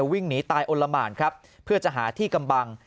วิ่งหนีตายอลละหมานครับเพื่อจะหาที่กำบัง